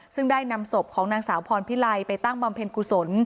ซึ่งได้นำศพของนางสาวพรพิไลไปตั้งบำเพ็ญกุศล